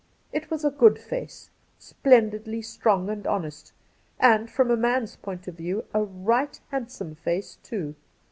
It was a good face, splendidly, strong and honest, and, from a man's . point of view, a right handsome face too.